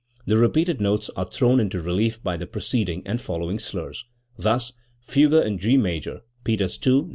The repeated notes are thrown into relief by the preceding and following slurs. Thus: Fugue in G major (Peters II, No.